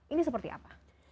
ini seperti apa